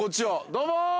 どうも。